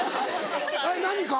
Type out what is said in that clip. えっ何か？